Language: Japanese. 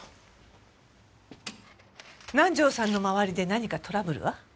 南条さんの周りで何かトラブルは？